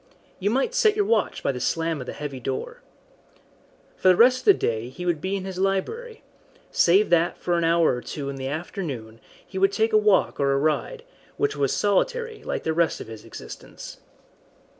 You might set your watch by the slam of the heavy door. For the rest of the day he would be in his library save that for an hour or two in the afternoon he would take a walk or a ride, which was solitary like the rest of his existence.